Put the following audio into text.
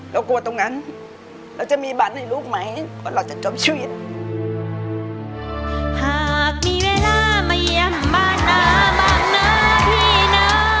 เรากลัวตรงนั้นเราจะมีบัตรให้ลูกใหม่ก่อนเราจะจบชีวิต